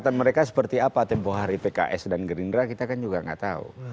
tapi mereka seperti apa tempoh hari pks dan gerindra kita kan juga gak tau